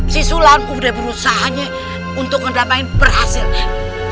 si sulam udah berusahanya untuk mendapatkan berhasilnya